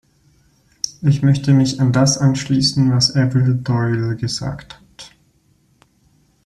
Ich möchte mich an das anschließen, was Avril Doyle gesagt hat.